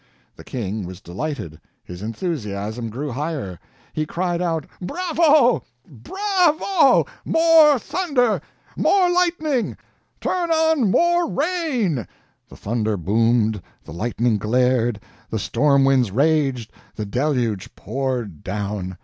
The King was delighted his enthusiasm grew higher. He cried out: "Bravo, bravo! More thunder! more lightning! turn on more rain!" The thunder boomed, the lightning glared, the storm winds raged, the deluge poured down.